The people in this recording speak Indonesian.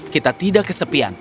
kita tidak kesepian tidak